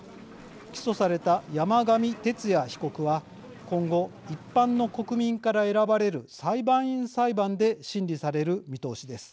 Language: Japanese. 起訴された山上徹也被告は今後一般の国民から選ばれる裁判員裁判で審理される見通しです。